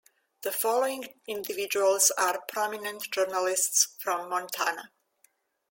The following individuals are prominent journalists from Montana.